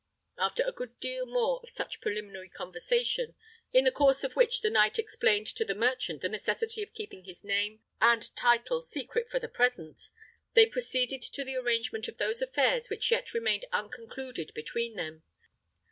After a good deal more of such preliminary conversation, in the course of which the knight explained to the merchant the necessity of keeping his name and title secret for the present, they proceeded to the arrangement of those affairs which yet remained unconcluded between them.